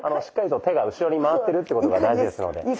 しっかりと手が後ろに回ってるっていうことが大事ですので。